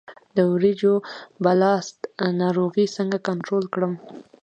د وریجو بلاست ناروغي څنګه کنټرول کړم؟